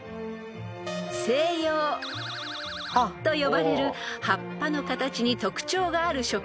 ［「西洋」と呼ばれる葉っぱの形に特徴がある植物］